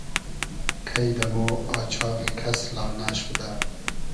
کݷ دۂ مۉ آچاغی کس لانۂ شودۂ